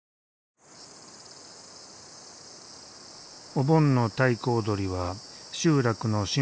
お盆の太鼓踊りは集落の神仏に祈る。